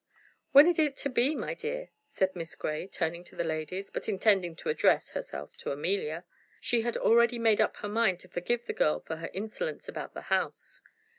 "When is it to be, my dear?" said Miss Grey, turning to the ladies, but intending to address herself to Amelia. She had already made up her mind to forgive the girl for her insolence about the house.